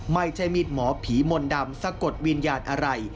ไม่ใช่มีดหมอผีมนต์ดำสะกดวิญญาณอะไร